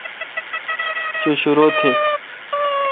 چو شرو تھی۔